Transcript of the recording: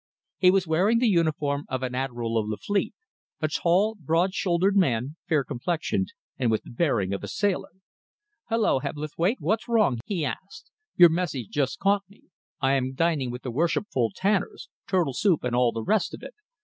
He was wearing the uniform of an Admiral of the Fleet a tall, broad shouldered man, fair complexioned, and with the bearing of a sailor. "Hullo, Hebblethwaite, what's wrong?" he asked. "Your message just caught me. I am dining with the worshipful tanners turtle soup and all the rest of it.